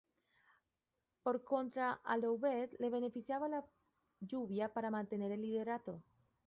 Por contra a Loubet le beneficiaba la lluvia para mantener el liderato.